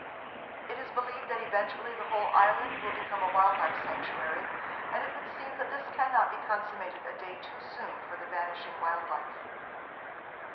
It is believed that eventually the whole island will become a wild life sanctuary, and it would seem that this can not be consummated a day too soon for the vanishing wild life.